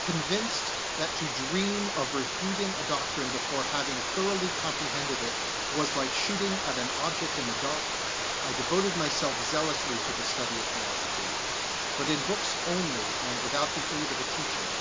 Convinced that to dream 24 DIFFERENT KINDS OF PHILOSOPHERS of refuting a doctrine before having thoroughly comprehended it was like shooting at an object in the dark, I devoted myself zealously to the study of philosophy ; but in books only and with out the aid of a teacher.